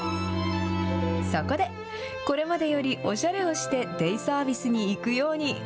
そこでこれまでよりおしゃれをしてデイサービスに行くように。